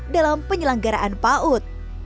dalam penyelenggaraan paut